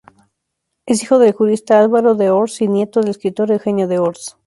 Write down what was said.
Es hijo del jurista Álvaro d'Ors y nieto del escritor Eugenio d'Ors.